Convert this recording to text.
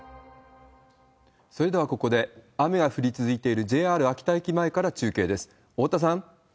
それでは、ここで、雨が降り続いているＪＲ秋田駅前から中継です。